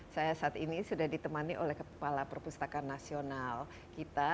saya saat ini sudah ditemani oleh kepala perpustakaan nasional kita